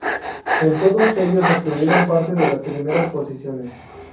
En todos ellos obtuvieron parte de las primeras posiciones.